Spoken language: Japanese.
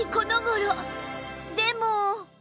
でも